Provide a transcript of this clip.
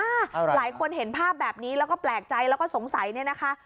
หลายคนเห็นภาพแบบนี้แล้วก็แปลกใจแล้วก็สงสัยเนี่ยนะคะ